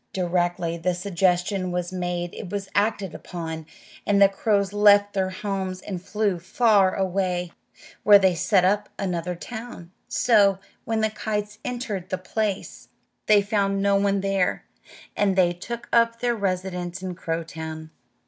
Directly the suggestion was made it was acted upon, and the crows left their homes and flew far away, where they set up another town. So, when the kites entered the place, they found no one there, and they took up their residence in Crowtown.